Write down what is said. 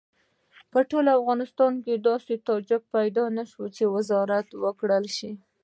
په ټول افغانستان کې داسې تاجک پیدا نه شو چې وزارت وکړای شي.